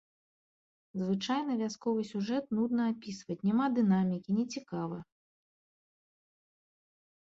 Звычайны вясковы сюжэт нудна апісваць, няма дынамікі, нецікава.